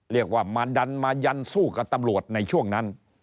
เรียกว่ามาดันมายันสู้กับตำรวจในช่วงนั้น